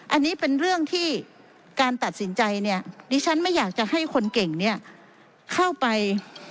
อันนี้เป็นเรื่องที่การตัดสินใจเนี่ยดิฉันไม่อยากจะให้คนเก่งเนี่ยเข้าไป